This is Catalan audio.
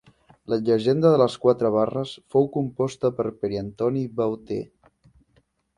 La llegenda de les Quatre Barres fou composta per Pere-Antoni Beuter.